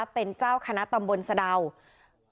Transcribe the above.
เป็นเจ้าคณะตำบลสะดาว